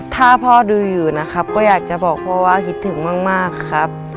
ถ้าพ่อดูอยู่นะครับก็อยากจะบอกพ่อว่าคิดถึงมากครับ